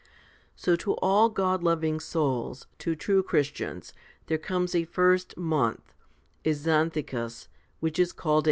9. so to all God loving souls, to true Christians, there comes a first month, a Xanthicus, which is called 1 Rom.